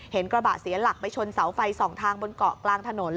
กระบะเสียหลักไปชนเสาไฟสองทางบนเกาะกลางถนน